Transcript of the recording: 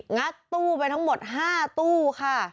งัดตู้ไปทั้งหมด๕ตู้ค่ะ